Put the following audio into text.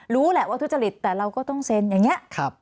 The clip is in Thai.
รู้แหละว่าทุจริตแต่เราก็ต้องเซ็นอย่างนี้